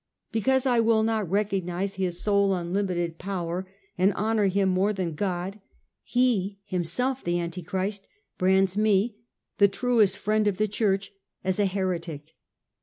Because I will not recognise his sole unlimited power and honour him more than God, he, himself the Antichrist, brands me, the truest friend of the Church, as a heretic.